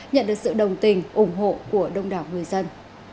nhận được sự đồng tình ủng hộ của đông đảo người dân